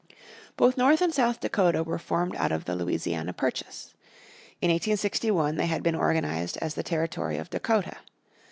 Both North and South Dakota were formed out of the Louisiana Purchase. In 1861 they had been organised as the territory of Dakota.